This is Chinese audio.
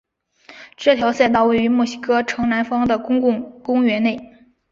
这条赛道位于墨西哥城南方的的公共公园内。